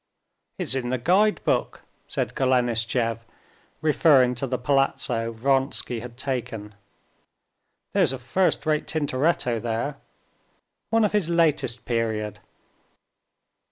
"It's in the guide book," said Golenishtchev, referring to the palazzo Vronsky had taken. "There's a first rate Tintoretto there. One of his latest period."